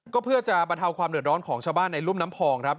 ก็เพื่อจะบรรเทาความเดือดร้อนของชาวบ้านในรุ่มน้ำพองครับ